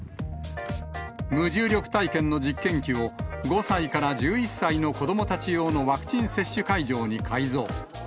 無重力体験の実験機を、５歳から１１歳の子どもたち用のワクチン接種会場に改造。